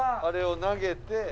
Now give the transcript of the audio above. あれを投げて。